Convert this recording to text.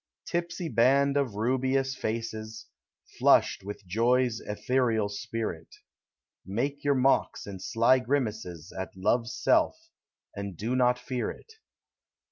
Tipsy band of rubious faces, Flushed with Joy's ethereal spirit, Make your mocks and sly grimaces At Love's self, and do not fear it.